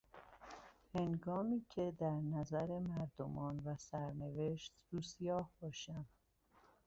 هنگامی که در نظر مردمان و سرنوشت روسیاه باشم...